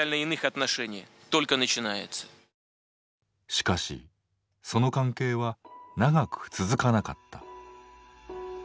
しかしその関係は長く続かなかった。